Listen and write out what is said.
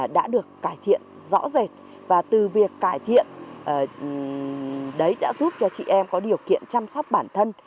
đã được cải thiện rõ rệt và từ việc cải thiện đấy đã giúp cho chị em có điều kiện chăm sóc bản thân